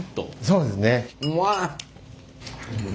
そうですね。